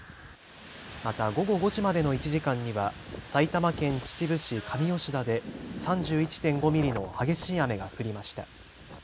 また午後５時までの１時間には埼玉県秩父市上吉田で３１．５ミリの激しい雨が降りました。